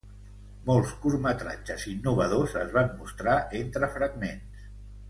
Molts curtmetratges innovadors es van mostrar entre fragments.